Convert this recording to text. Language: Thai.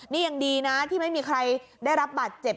นี่ยังดีนะที่ไม่มีใครได้รับบาดเจ็บ